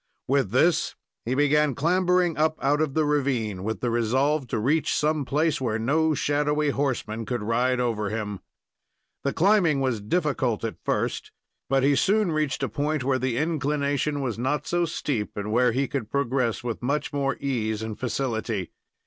With this, he began clambering up out of the ravine, with the resolve to reach some place where no shadowy horseman could ride over him. The climbing was difficult at first, but he soon reached a point where the inclination was not so steep, and where he could progress with much more ease and facility.